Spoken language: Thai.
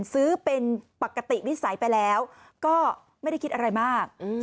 ซื้อเป็นปกติวิสัยไปแล้วก็ไม่ได้คิดอะไรมาก